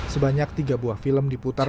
sebanyak tiga buah film diputar